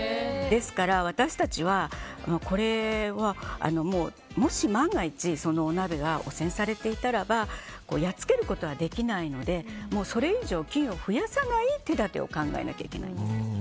ですから私たちはもし万が一お鍋が汚染されていたらばやっつけることができないのでそれ以上、菌を増やさない手だてを考えなければいけない。